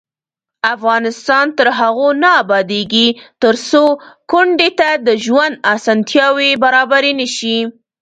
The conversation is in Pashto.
افغانستان تر هغو نه ابادیږي، ترڅو کونډې ته د ژوند اسانتیاوې برابرې نشي.